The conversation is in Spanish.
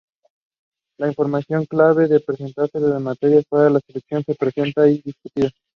La información clave que representa los materiales para la sesión es presentada y discutida.